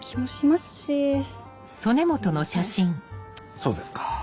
そうですか。